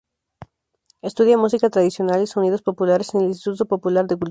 Estudia música tradicional y sonidos populares en el Instituto Popular de Cultura.